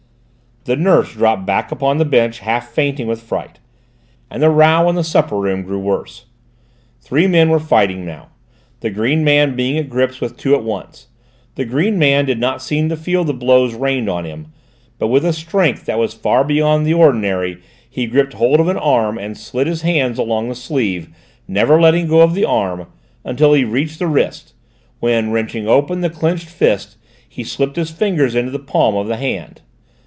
The nurse dropped back upon the bench half fainting with fright, and the row in the supper room grew worse. Three men were fighting now, the green man being at grips with two at once. The green man did not seem to feel the blows rained on him, but with a strength that was far beyond the ordinary he gripped hold of an arm and slid his hands along the sleeve, never letting go of the arm, until he reached the wrist, when wrenching open the clenched fist he slipped his fingers on to the palm of the hand.